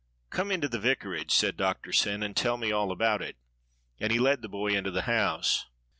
"Come into the vicarage," said Doctor Syn, "and tell me all about it." And he led the boy into the house.